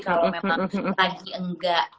kalau memang lagi enggak